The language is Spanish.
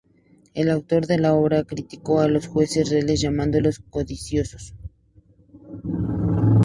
El autor de la obra criticó a los jueces reales, llamándolos codiciosos.